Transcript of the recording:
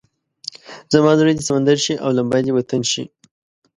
زما زړه دې سمندر شي او لمبه دې وطن شي.